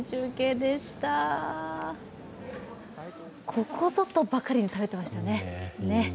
ここぞとばかりに食べてましたね。